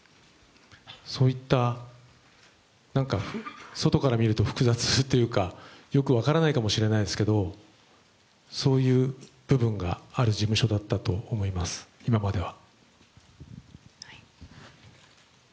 そういった、なんか外から見ると複雑というか、よく分からないかもしれないですけれども、そういう部分がある事務所だったと思います、今までは。